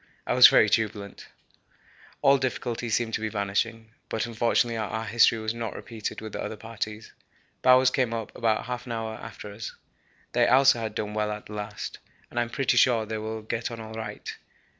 I was very jubilant; all difficulties seemed to be vanishing; but unfortunately our history was not repeated with the other parties. Bowers came up about half an hour after us. They also had done well at the last, and I'm pretty sure they will get on all right.